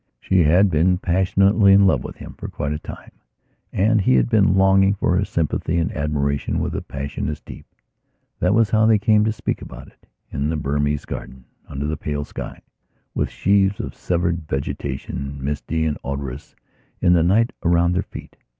She had been passionately in love with him for quite a time, and he had been longing for her sympathy and admiration with a passion as deep. That was how they came to speak about it, in the Burmese garden, under the pale sky, with sheaves of severed vegetation, misty and odorous, in the night around their feet.